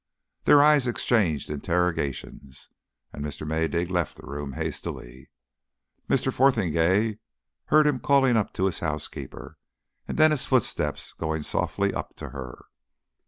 Their eyes exchanged interrogations, and Mr. Maydig left the room hastily. Mr. Fotheringay heard him calling up to his housekeeper and then his footsteps going softly up to her.